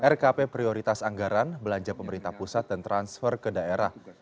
rkp prioritas anggaran belanja pemerintah pusat dan transfer ke daerah